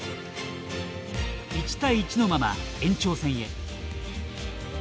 １対１のまま延長戦へ。